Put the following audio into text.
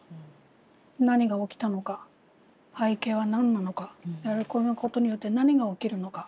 何が起きたのか背景は何なのかこのことによって何が起きるのか。